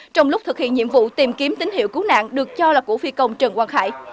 trong lúc thực hiện nhiệm vụ tìm kiếm tín hiệu cứu nạn được cho là của phi công trần quang khải